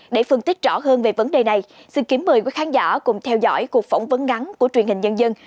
để phân tích rõ hơn về vấn đề này xin kiếm mời quý khán giả cùng theo dõi cuộc phỏng vấn ngắn của truyền hình nhân dân